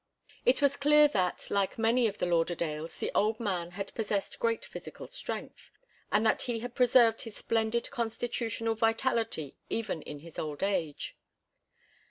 It was clear that, like many of the Lauderdales, the old man had possessed great physical strength, and that he had preserved his splendid constitutional vitality even in his old age.